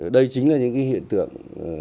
đây chính là những hiện tượng